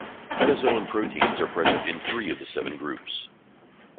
Metazoan proteins are present in three of the seven groups.